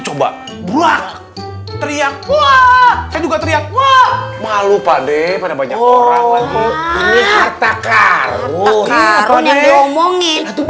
coba buak teriak mua juga teriak mua malu pakde pada banyak orang lagi